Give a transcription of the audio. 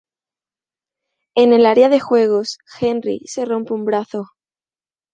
En el área de juegos, Henry se rompe un brazo.